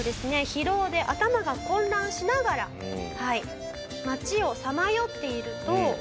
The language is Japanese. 疲労で頭が混乱しながら街をさまよっていると。